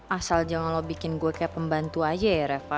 asal jangan lo bikin gue kayak pembantu aja ya reva